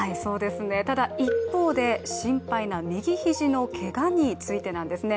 ただ一方で、心配な右肘のけがについてなんですね。